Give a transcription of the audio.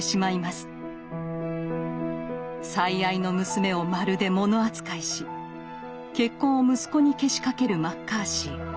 最愛の娘をまるで物扱いし結婚を息子にけしかけるマッカーシー。